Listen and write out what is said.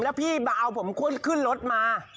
แล้วพี่มาเอาผมขึ้นรถมา